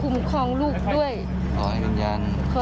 หนูดินปุ๊กหนูออกมาหนูจะบวชมันสึกกะบวชชี้กะ